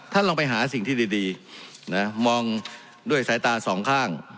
ลองไปหาสิ่งที่ดีนะมองด้วยสายตาสองข้าง